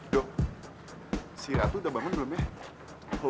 dok si ratu udah bangun belum nih